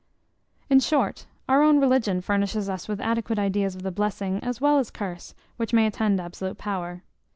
In short, our own religion furnishes us with adequate ideas of the blessing, as well as curse, which may attend absolute power.